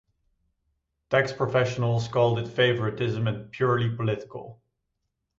Tax professionals called it favouritism and purely political.